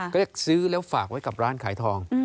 ก็ซื้อแล้วฝากไว้กับร้านขายทอง